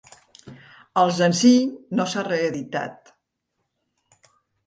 El senzill no s'ha reeditat.